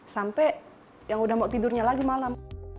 sampai yang udah mau tidurnya lagi malam